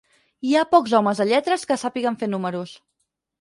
Hi ha pocs homes de lletres que sàpiguen fer números.